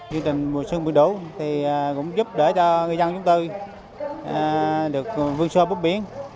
chương trình mùa xuân bình đố cũng giúp đỡ cho người dân chúng tôi được vương sơ bước biển